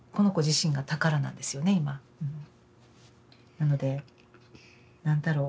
なので何だろう